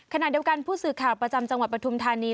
ขณะเดียวกันผู้สื่อข่าวประจำจังหวัดปฐุมธานี